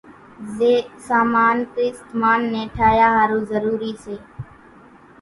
زين سامان ڪريست مانَ ني ٺاھيا ۿارُو ضروري سي۔